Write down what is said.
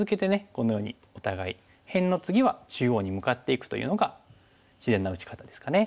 このようにお互い辺の次は中央に向かっていくというのが自然な打ち方ですかね。